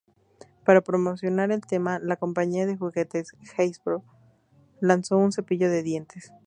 Para promocionar el tema, la compañía de juguetes Hasbro lanzó un cepillo de dientes.